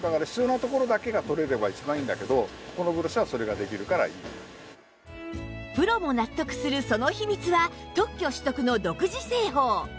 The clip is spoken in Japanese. ではプロも納得するその秘密は特許取得の独自製法